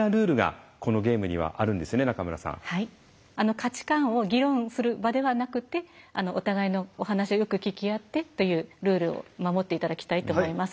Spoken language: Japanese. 価値観を議論する場ではなくてお互いのお話をよく聞き合ってというルールを守って頂きたいと思います。